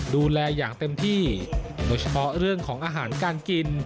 ดูแลอย่างเต็มที่โดยเฉพาะเรื่องของอาหารการกิน